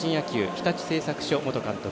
日立製作所元監督